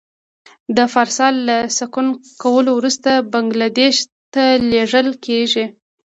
دا پارسل له سکن کولو وروسته بنګلادیش ته لېږل کېږي.